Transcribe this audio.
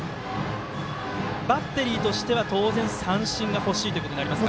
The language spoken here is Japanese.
バッテリーとしては当然三振が欲しいということになりますか。